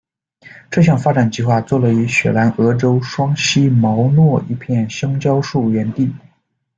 这项发展计划坐落于雪兰莪州双溪毛糯一片橡胶树园地。